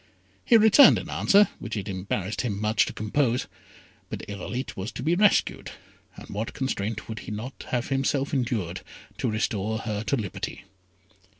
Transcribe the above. He returned an answer which it embarrassed him much to compose; but Irolite was to be rescued, and what constraint would he not have himself endured to restore her to liberty.